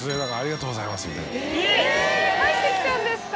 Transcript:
えぇ返ってきたんですか？